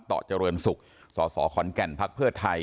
ต่อเจริญศุกร์สคอนแก่นพไทย